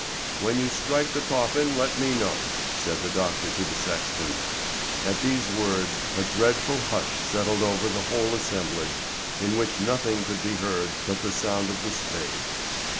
"When you strike the coffin, let me know," said the doctor to the sexton. At these words a dreadful hush settled over the whole assemblage, in which nothing could be heard but the sound of the spade.